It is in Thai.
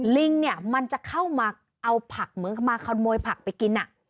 ลิงเนี่ยมันจะเข้ามาเอาผักเหมือนกับมาขโมยผักไปกิน